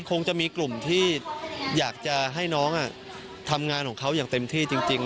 คงจะมีกลุ่มที่อยากจะให้น้องทำงานของเขาอย่างเต็มที่จริง